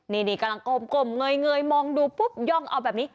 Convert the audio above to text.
นี่กำลังกลมเงยมองดูปุ๊บย่องเอาแบบนี้